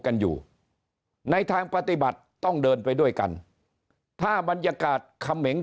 กันอยู่ในทางปฏิบัติต้องเดินไปด้วยกันถ้าบรรยากาศเขมง